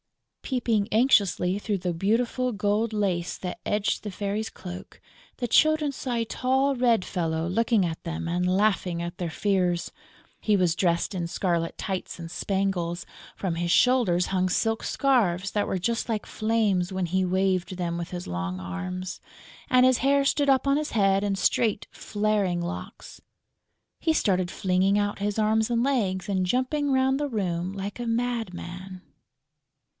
Peeping anxiously through the beautiful gold lace that edged the Fairy's cloak, the Children saw a tall, red fellow looking at them and laughing at their fears. He was dressed in scarlet tights and spangles; from his shoulders hung silk scarves that were just like flames when he waved them with his long arms; and his hair stood up on his head in straight, flaring locks. He started flinging out his arms and legs and jumping round the room like a madman.